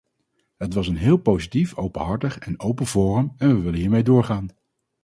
Het was een heel positief, openhartig en open forum en we willen hiermee doorgaan.